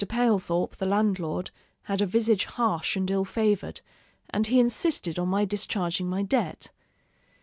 Palethorp, the landlord, had a visage harsh and ill favored, and he insisted on my discharging my debt.